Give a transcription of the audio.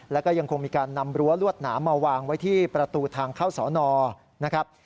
แล้วก็ยังคงมีการนำรั้วลวดหนามมาวางไว้ที่ประตูทางเข้าสอนอนะครับ